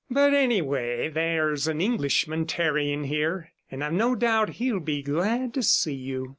But, any way, there's an Englishman tarrying here, and I've no doubt he'll be glad to see you.